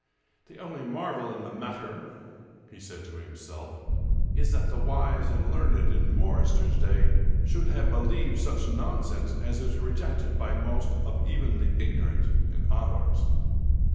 " The only marvel in the matter," he said to himself, " is that the wise and learned in Morryster's day should have believed such nonsense as is rejected by most of even the ignorant in ours."